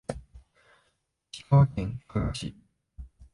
石川県加賀市